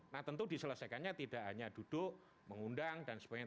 nah tentu diselesaikannya tidak hanya duduk mengundang dan sebagainya